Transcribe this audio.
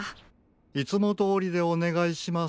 いつもどおりでおねがいします。